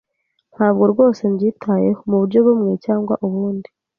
Ntabwo rwose mbyitayeho muburyo bumwe cyangwa ubundi.